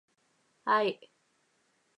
¡Aih!